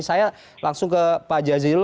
saya langsung ke pak jazilul